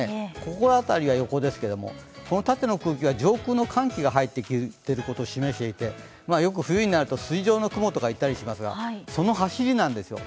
ここら辺りは横ですけれども、縦の空気は上空の寒気が入ってきていること示していて、よく冬になると筋状の雲といいますがその走りなんですよ。